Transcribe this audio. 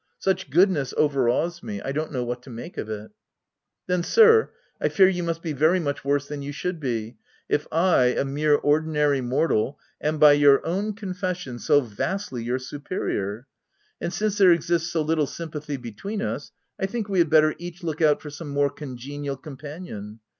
Such goodness overawes me ; I don't know what to make of it. v " Then sir, I fear you must be very much worse than you should be, if I, a mere ordinary mortal, am by your own confession, so vastly your superior ;— and since there exists so little sympathy between us, I think we had better each look out for some more congenial compa nion.